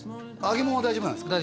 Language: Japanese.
揚げ物は大丈夫なんですか？